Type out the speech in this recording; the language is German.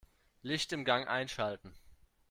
Licht im Gang einschalten.